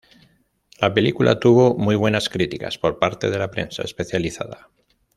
La película tuvo muy buenas críticas por parte de la prensa especializada.